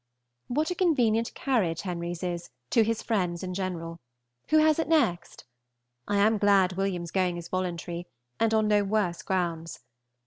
What a convenient carriage Henry's is, to his friends in general! Who has it next? I am glad William's going is voluntary, and on no worse grounds.